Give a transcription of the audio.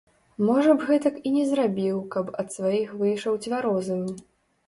Можа б гэтак і не зрабіў, каб ад сваіх выйшаў цвярозым.